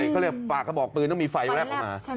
เขาเรียกปากกระบอกปืนต้องมีไฟแวบออกมา